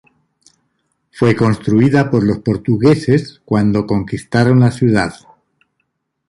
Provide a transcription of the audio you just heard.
Fue construida por los portugueses cuando conquistaron la ciudad.